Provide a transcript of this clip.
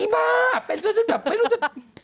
บ้าเป็นฉันแบบไม่รู้จะ